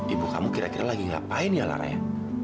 ibu kamu kira kira lagi ngapain ya lara ya